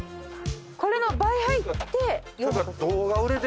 これの倍入って。